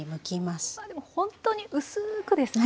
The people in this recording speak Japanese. でもほんとに薄くですね。